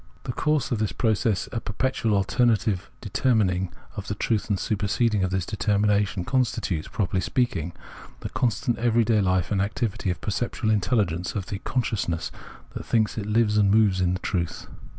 The course of this process, a perpetual alternate deter mining of the truth and superseding of this determina tion, constitutes, properly speaking, the constant every day life and activity of perceptual intelligence, of the consciousness that thinks it hves and moves in the truth.